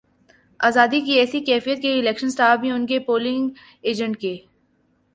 آزادی کی ایسی کیفیت کہ الیکشن سٹاف بھی ان کے پولنگ ایجنٹس کے